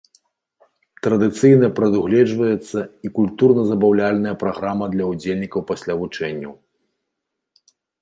Традыцыйна прадугледжваецца і культурна-забаўляльная праграма для ўдзельнікаў пасля вучэнняў.